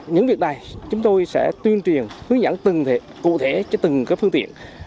những việc này chúng tôi sẽ tuyên truyền hướng dẫn từng cụ thể cho từng phương tiện